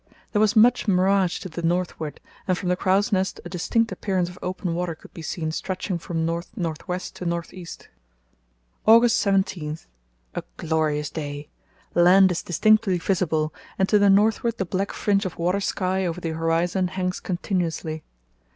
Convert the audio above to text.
There was much mirage to the northward, and from the crow's nest a distinct appearance of open water could be seen stretching from north north west to north east. "August 17.—A glorious day! Land is distinctly visible, and to the northward the black fringe of water sky over the horizon hangs continuously.